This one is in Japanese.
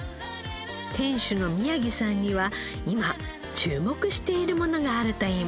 店主の宮城さんには今注目しているものがあるといいます。